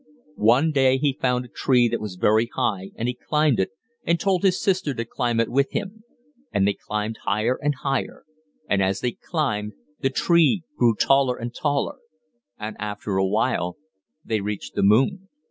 One day he found a tree that was very high, and he climbed it, and told his sister to climb it with him; and they climbed higher and higher, and as they climbed, the tree grew taller and taller; and after a while they reached the moon.